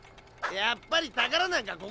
やっぱりたからなんか